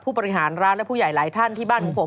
บริหารร้านและผู้ใหญ่หลายท่านที่บ้านของผม